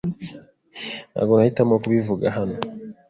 Ntabwo nahitamo kubivuga hano.